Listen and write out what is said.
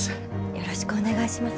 よろしくお願いします。